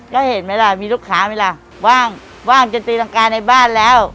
แล้วเห็นไหมล่ะมีลูกค้าไหมล่ะว่างว่างจนตีรังกาในบ้านแล้ว